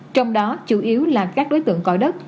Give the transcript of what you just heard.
trong đó chủ yếu là các đối tượng coi đất